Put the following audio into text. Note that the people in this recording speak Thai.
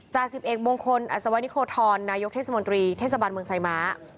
จ่าสิบเอกมงคลอัศวนิโครธรนายกเทศมนตรีเทศบาลเมืองไซม้า